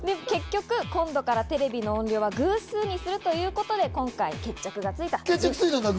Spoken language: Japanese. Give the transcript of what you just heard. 結局、今度からテレビの音量は偶数にするということで今回、決着がついた。